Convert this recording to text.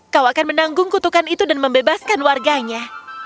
kau akan menanggung kutukan itu dan membebaskan warganya